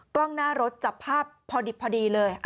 กล้องหน้ารถจับภาพพอดิบพอดีเลย